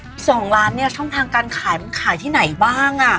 สองล้านเนี่ยช่องทางการขายมันขายที่ไหนบ้างอ่ะ